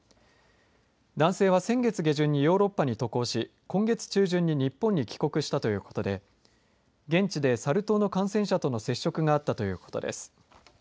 男性は先月下旬にヨーロッパに渡航し今月中旬に日本に帰国したということで現地でサル痘の感染者との接触があったということです。